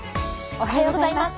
おはようございます。